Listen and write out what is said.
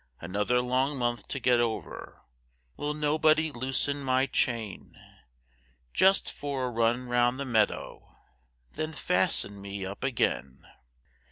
"Another long month to get over; Will nobody loosen my chain? Just for a run 'round the meadow, Then fasten me up again.